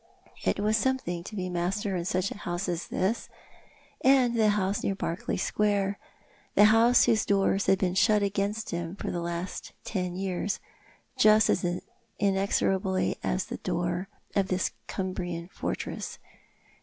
309 It was something to be master in such a house as this — and the house near Berkeley Square — the house whose doors had been shut against him for the last ten years, just as inexorably as the door of this Cumbrian fortress.